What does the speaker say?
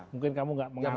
mungkin kamu enggak mengalami